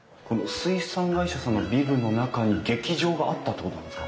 水産会社さんのビルの中に劇場があったってことなんですか？